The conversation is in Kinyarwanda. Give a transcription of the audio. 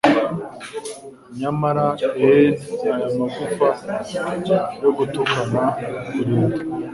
Nyamara e'en aya magufa yo gutukana kurinda